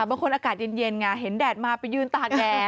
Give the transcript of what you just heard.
บางคนอากาศเย็นง่ะเห็นแดดมาไปยื่นตาแดด